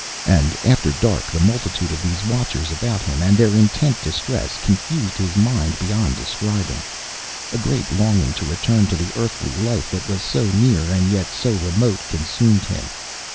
And after dark the multitude of these Watchers about him, and their intent distress, confused his mind beyond describing. A great longing to return to the earthly life that was so near and yet so remote consumed him.